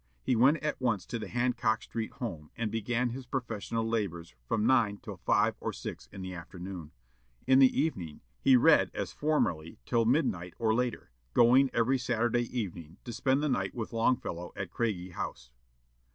He went at once to the Hancock Street home, and began his professional labors from nine till five or six in the afternoon. In the evening he read as formerly till midnight or later, going every Saturday evening to spend the night with Longfellow at Craigie House.